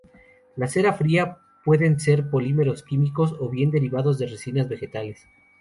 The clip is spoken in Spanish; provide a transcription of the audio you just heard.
La cera fría pueden ser polímeros químicos o bien derivados de resinas vegetales.